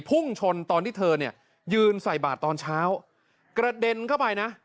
พุ่งชนตอนที่เธอเนี่ยยืนใส่บาทตอนเช้ากระเด็นเข้าไปนะ